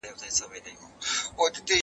په ژمي کي ورځي اوږدې نه وي.